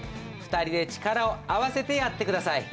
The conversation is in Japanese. ２人で力を合わせてやって下さい。